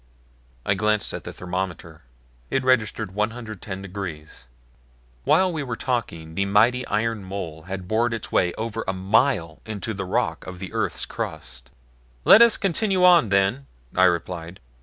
I glanced at the thermometer. It registered 110 degrees. While we were talking the mighty iron mole had bored its way over a mile into the rock of the earth's crust. "Let us continue on, then," I replied.